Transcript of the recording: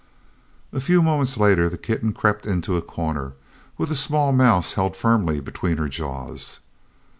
A few moments later the kitten crept into a corner, with a small mouse held firmly between her jaws.